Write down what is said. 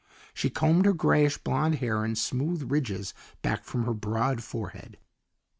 She combed her grayish blond hair in smooth ridges back from her broad forehead.